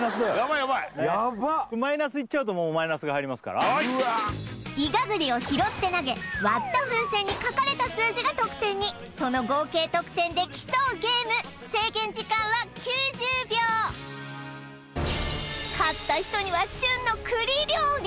ヤバいヤッバマイナスいっちゃうともうマイナスが入りますからイガグリを拾って投げ割った風船に書かれた数字が得点にその合計得点で競うゲーム制限時間は９０秒勝った人には旬の栗料理！